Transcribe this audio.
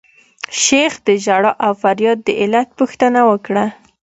شیخ د ژړا او فریاد د علت پوښتنه وکړه.